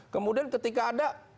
kemudian ketika ada